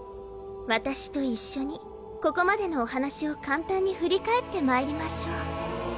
私と一緒にここまでのお話を簡単に振り返ってまいりましょう。